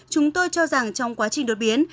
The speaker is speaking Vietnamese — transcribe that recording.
chúng tôi cho rằng trong quá trình đột biến